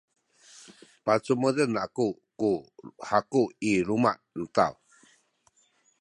pacumuden aku ku haku i luma’ nu taw.